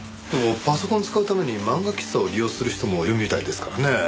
でもパソコン使うために漫画喫茶を利用する人もいるみたいですからね。